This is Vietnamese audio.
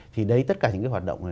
thì đấy tất cả những cái hoạt động này